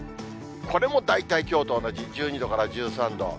これも大体きょうと同じ、１２度から１３度。